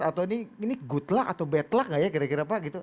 atau ini good luck atau bed luck gak ya kira kira pak gitu